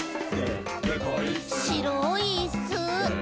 「しろいイッス！」